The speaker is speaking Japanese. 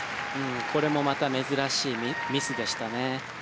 これもまた珍しいミスでしたね。